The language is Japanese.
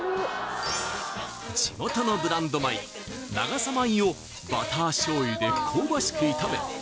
地元のブランド米長狭米をバター醤油で香ばしく炒め